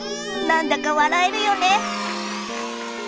何だか笑えるよね。